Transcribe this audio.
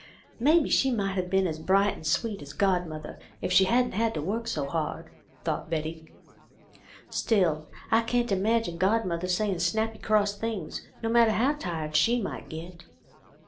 " Maybe she might have been as bright and sweet as godmother, if she hadn't had to work so hard," thought Betty. " Still I can't imagine godmother saying snappy cross things, no matter how tired she might get."